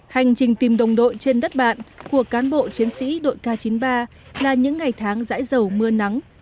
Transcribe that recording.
hành trình tìm đồng đội trên đất bạn của cán bộ chiến sĩ đội k chín mươi ba là những ngày tháng rãi dầu mưa nắng